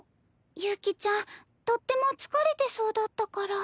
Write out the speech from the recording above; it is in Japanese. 悠希ちゃんとっても疲れてそうだったから。